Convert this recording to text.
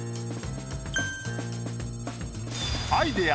アイデア